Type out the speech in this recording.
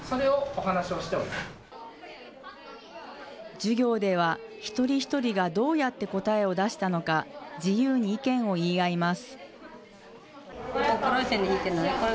授業では、一人一人がどうやって答えを出したのか、自由に意見を言い合います。